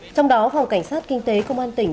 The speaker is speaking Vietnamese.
trong đó phòng cảnh sát kinh tế công an tỉnh